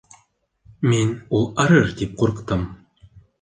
Мин ул арыр тип ҡурҡтым.